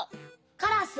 カラス。